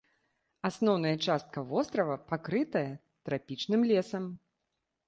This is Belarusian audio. Асноўная частка вострава пакрытая трапічным лесам.